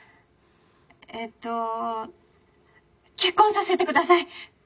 えっと結婚させてください。